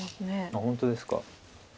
あっ本当ですか。